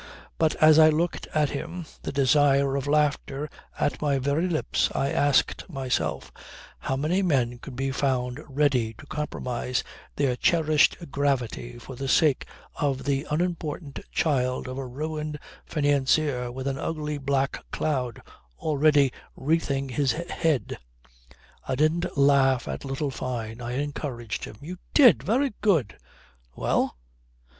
But as I looked at him, the desire of laughter at my very lips, I asked myself: how many men could be found ready to compromise their cherished gravity for the sake of the unimportant child of a ruined financier with an ugly, black cloud already wreathing his head. I didn't laugh at little Fyne. I encouraged him: "You did! very good ... Well?"